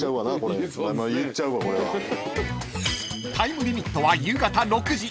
［タイムリミットは夕方６時］